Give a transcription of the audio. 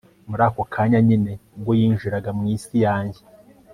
Muri ako kanya nyine ubwo yinjiraga mu isi yanjye